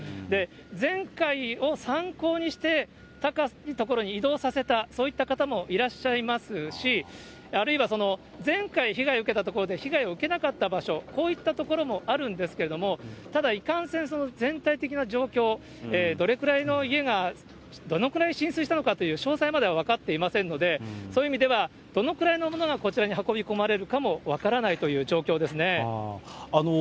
前回を参考にして、高い所に移動させた、そういった方もいらっしゃいますし、あるいは前回被害を受けた所で被害を受けなかった場所、こういった所もあるんですけれども、ただいかんせん、全体的な状況、どれくらいの家が、どのくらい浸水したのかという詳細までは分かっていませんので、そういう意味では、どのくらいのものがこちらに運び込まれるかも分からないという状況ですね。